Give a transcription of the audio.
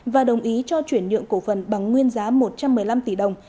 và đồng ý cho chuyển nhượng cổ phần bằng nguyên giá một trăm một mươi năm tỷ đồng